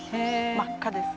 真っ赤です。